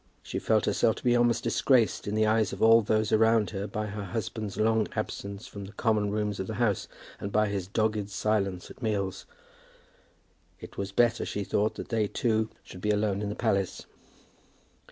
She felt herself to be almost disgraced in the eyes of all those around her by her husband's long absence from the common rooms of the house and by his dogged silence at meals. It was better, she thought, that they two should be alone in the palace.